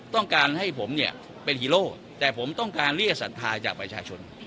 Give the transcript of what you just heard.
ต้องการให้ผมเนี่ยเป็นฮีโร่แต่ผมต้องการเรียกศรัทธาจากประชาชน